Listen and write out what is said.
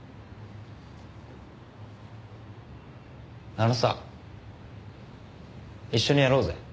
あのさ一緒にやろうぜ。